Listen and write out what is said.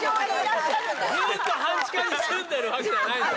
ずっと半地下に住んでるわけじゃないんだよ。